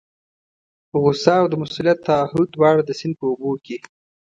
غوسه او د مسؤلیت تعهد دواړه د سیند په اوبو کې.